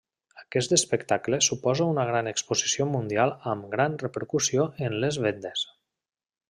Aquest espectacle suposa una gran exposició mundial amb gran repercussió en les vendes.